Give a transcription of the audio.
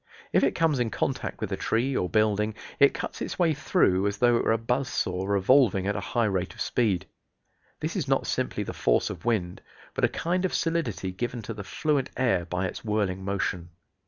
If it comes in contact with a tree or building it cuts its way through as though it were a buzzsaw revolving at a high rate of speed. This is not simply the force of wind, but a kind of solidity given to the fluent air by its whirling motion.